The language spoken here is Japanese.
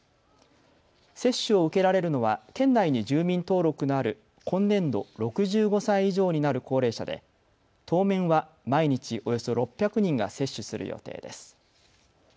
接種を受けられるのは県内に住民登録のある今年度６５歳以上になる高齢者で当面は毎日およそ６００人が接種する予定です。